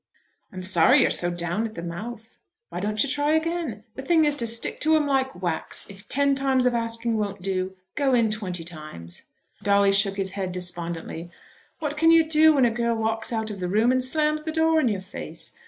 "I'm sorry you're so down in the mouth. Why don't you try again? The thing is to stick to 'em like wax. If ten times of asking won't do, go in twenty times." Dolly shook his head despondently. "What can you do when a girl walks out of the room and slams the door in your face?